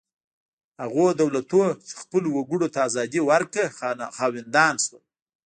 هغو دولتونو چې خپلو وګړو ته ازادي ورکړه خاوندان شول.